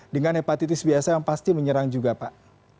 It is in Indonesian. dengan hepatitis biasa yang pasti menyerang juga pak